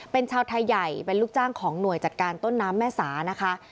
เป็นชาวไทยใหญ่เป็นลูกจ้างของหน่วยจัดการต้นน้ำแม่สานะคะ